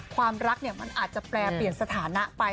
ความรักมันอาจจะแปรเปลี่ยนสถานะไป